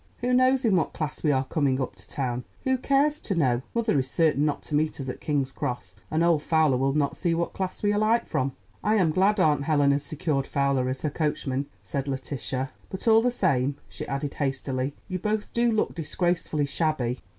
Who knows in what class we are coming up to town? Who cares to know? Mother is certain not to meet us at King's Cross, and old Fowler will not see what class we alight from." "I am glad Aunt Helen has secured Fowler as her coachman," said Letitia. "But, all the same," she added hastily, "you both do look disgracefully shabby."